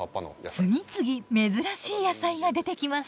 次々珍しい野菜が出てきます。